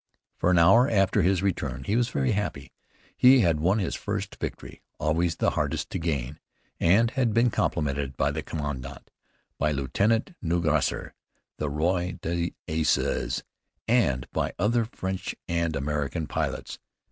For an hour after his return he was very happy. He had won his first victory, always the hardest to gain, and had been complimented by the commandant, by Lieutenant Nungesser, the Roi des Aces, and by other French and American pilots.